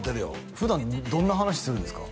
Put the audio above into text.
普段どんな話するんですか？